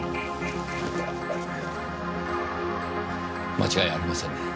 間違いありませんね。